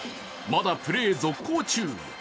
まだプレー続行中。